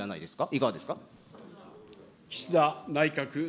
いかがですか。